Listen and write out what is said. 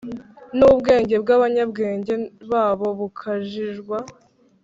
n’ubwenge bw’abanyabwenge babo bukajijwa.»